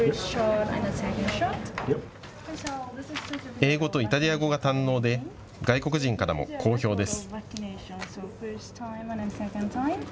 英語とイタリア語が堪能で外国人からも好評です。